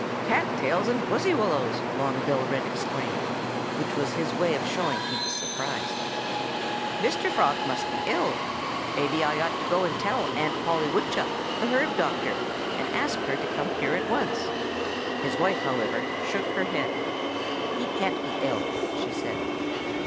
"Cat tails and pussy willows!" Long Bill Wren exclaimed which was his way of showing he was surprised. "Mr. Frog must be ill. Maybe I ought to go and tell Aunt Polly Woodchuck, the herb doctor, and ask her to come over here at once." His wife, however, shook her head. "He can't be ill," she said.